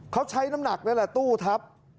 เขาใช้น้ำหนักนั่นแหละตู้ทับ